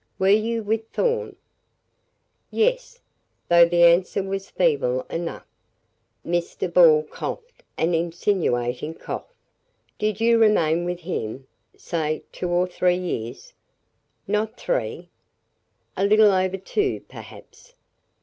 "Were you with Thorn?" "Yes," though the answer was feeble enough. Mr. Ball coughed an insinuating cough. "Did you remain with him say two or three years?" "Not three." "A little over two, perhaps?"